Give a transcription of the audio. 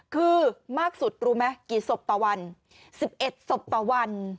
คือมากสุดรู้ไหมกี่ศพต่อวัน๑๑ศพต่อวัน